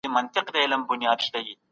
که خلګ یو موټی وي څوک یې نه سي ماتولای.